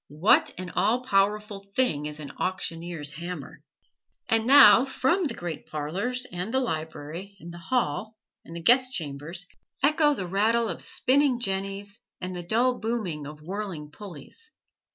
What an all powerful thing is an auctioneer's hammer! And now from the great parlors, and the library, and the "hall," and the guest chambers echo the rattle of spinning jennies and the dull booming of whirling pulleys.